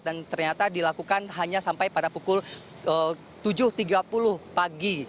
dan ternyata dilakukan hanya sampai pada pukul tujuh tiga puluh pagi